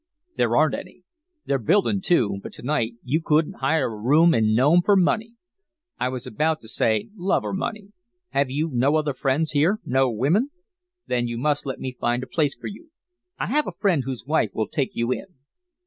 "There aren't any. They're building two, but to night you couldn't hire a room in Nome for money. I was about to say 'love or money.' Have you no other friends here no women? Then you must let me find a place for you. I have a friend whose wife will take you in."